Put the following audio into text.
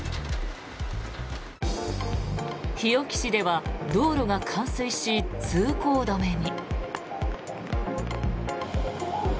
日置市では道路が冠水し通行止めに。